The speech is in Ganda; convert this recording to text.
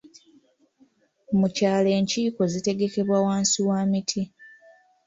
Mu byalo enkiiko zitegekebwa wansi wa miti.